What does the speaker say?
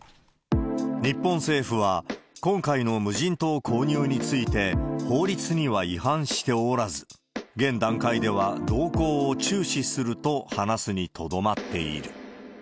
日本政府は、今回の無人島購入について、法律には違反しておらず、現段階では動向を注視すると話すにとどまっている。